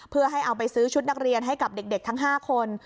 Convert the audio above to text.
เพื่อให้เอาไปซื้อชุดนักเรียนให้กับเด็กทั้ง๕คน